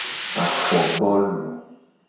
Afobolu.